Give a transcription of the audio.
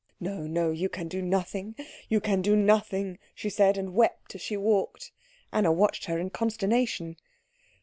"No, no, you can do nothing you can do nothing," she said, and wept as she walked. Anna watched her in consternation.